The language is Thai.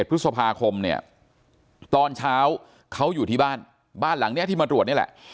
พฤษภาคมเนี่ยตอนเช้าเขาอยู่ที่บ้านบ้านหลังนี้ที่มาตรวจนี่แหละ